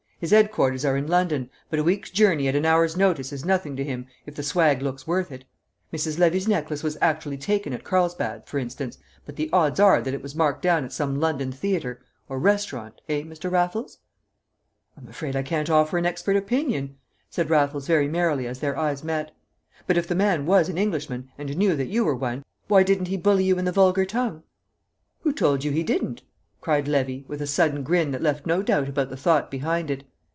His 'ead quarters are in London, but a week's journey at an hour's notice is nothing to him if the swag looks worth it. Mrs. Levy's necklace was actually taken at Carlsbad, for instance, but the odds are that it was marked down at some London theatre or restaurant, eh, Mr. Raffles?" "I'm afraid I can't offer an expert opinion," said Raffles very merrily as their eyes met. "But if the man was an Englishman and knew that you were one, why didn't he bully you in the vulgar tongue?" "Who told you he didn't?" cried Levy, with a sudden grin that left no doubt about the thought behind it.